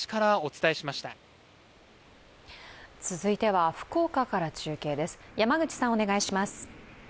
続いては福岡から中継です。